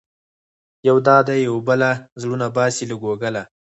یوه دا ده يوه بله، زړونه باسې له ګوګله